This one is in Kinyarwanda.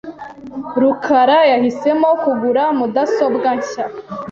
rukara yahisemo kugura mudasobwa nshya .